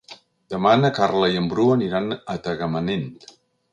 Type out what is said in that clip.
Demà na Carla i en Bru aniran a Tagamanent.